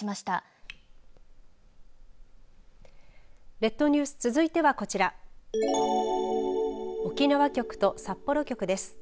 列島ニュース、続いてはこちら沖縄局と札幌局です。